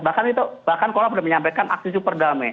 bahkan itu bahkan korlap sudah menyampaikan aksi superdame